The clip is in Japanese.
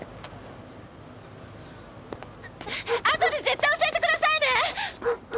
後で絶対教えてくださいね！